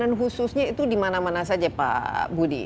dan khususnya itu dimana mana saja pak budi